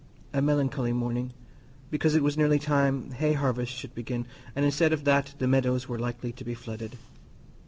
A melancholy morning—because it was nearly time hay harvest should begin, and instead of that the meadows were likely to be flooded.